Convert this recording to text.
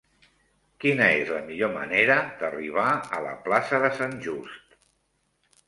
Quina és la millor manera d'arribar a la plaça de Sant Just?